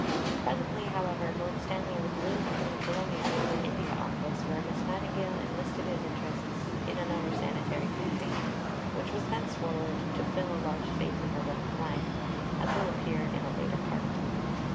Presently, however, Lord Stanley was moved from the Colonial to the India Office; where Miss Nightingale enlisted his interest in another sanitary campaign, which was thenceforward to fill a large space in her working life, as will appear in a later Part.